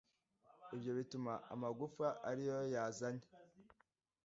ibyo bituma amagufa ariyo yazanye